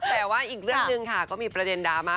แต่ว่าอีกเรื่องหนึ่งค่ะก็มีประเด็นดราม่า